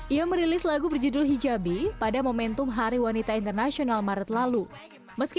ia merilis lagu berjudul hijabi pada momentum hari wanita internasional maret lalu meski